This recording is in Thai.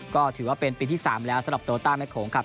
ก็ถือว่าเป็นปีที่๓แล้วสำหรับโตต้าแม่โขงครับ